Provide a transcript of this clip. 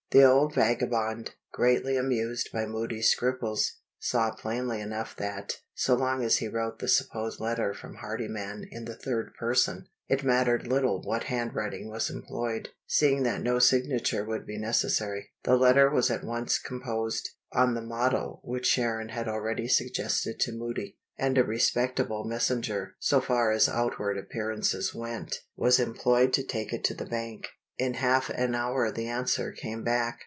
The old vagabond, greatly amused by Moody's scruples, saw plainly enough that, so long as he wrote the supposed letter from Hardyman in the third person, it mattered little what handwriting was employed, seeing that no signature would be necessary. The letter was at once composed, on the model which Sharon had already suggested to Moody, and a respectable messenger (so far as outward appearances went) was employed to take it to the bank. In half an hour the answer came back.